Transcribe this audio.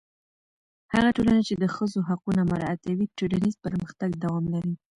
هغه ټولنه چې د ښځو حقونه مراعتوي، ټولنیز پرمختګ دوام لري.